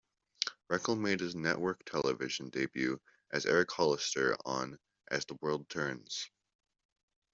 Reckell made his network-television debut as Eric Hollister on "As the World Turns".